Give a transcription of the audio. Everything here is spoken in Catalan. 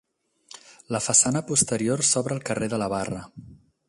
La façana posterior s'obre al carrer de la Barra.